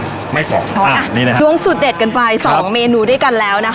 อ๋อนี่นะครับดวงสูตรเด็ดกันไปสองเมนูด้วยกันแล้วนะคะ